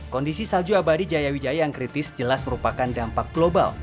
kondisi salju abadi jaya wijaya yang kritis jelas merupakan dampak global